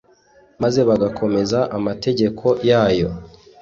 maze bagakomeza amategeko yayo.